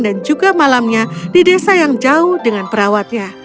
dan juga malamnya di desa yang jauh dengan perawatnya